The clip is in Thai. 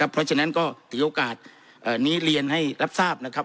เพราะฉะนั้นก็มีโอกาสนี้เรียนให้รับทราบ